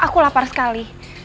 aku lapar sekali